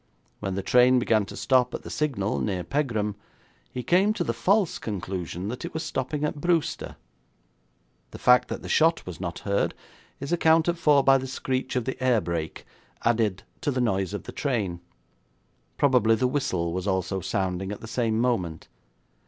When the train began to stop at the signal near Pegram, he came to the false conclusion that it was stopping at Brewster. The fact that the shot was not heard is accounted for by the screech of the air brake, added to the noise of the train. Probably the whistle was also sounding at the same moment.